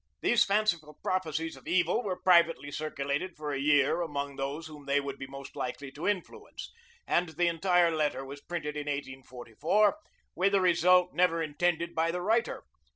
"] These fanciful prophecies of evil were privately circulated for a year among those whom they would be most likely to influence, and the entire letter was printed in 1844, with a result never intended by the writer.